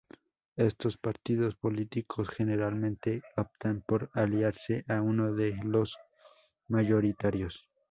Estos partidos políticos generalmente optan por aliarse a uno de los mayoritarios.